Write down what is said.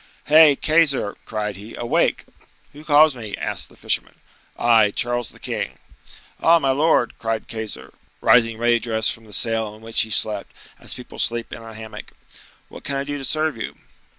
"Hey! Keyser!" cried he, "awake!" "Who calls me?" asked the fisherman. "I, Charles the king." "Ah, my lord!" cried Keyser, rising ready dressed from the sail in which he slept, as people sleep in a hammock. "What can I do to serve you?"